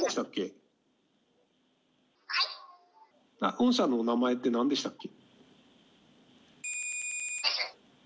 御社のお名前って何でしたっけ？